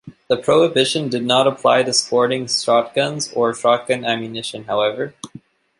The prohibition did not apply to sporting shotguns or shotgun ammunition however.